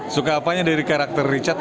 suka apanya dari karakter richard